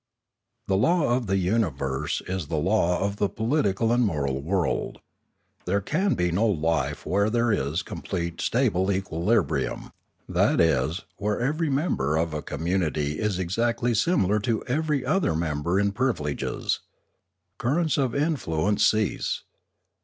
The law of the universe is the law of the political and moral world. There can be no life where there is complete stable equilibrium, that is, where every mem ber of a community is exactly similar to every other member in privileges. Currents of influence cease.